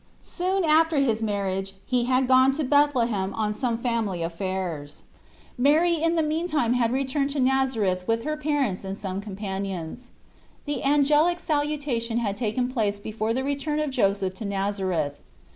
Soon after his marriage he had gone to Bethlehem on some family affairs. Mary in the meantime had returned to Nazareth with her parents and some companions. The angelical salutation had taken place be fore the return of Joseph to Nazareth.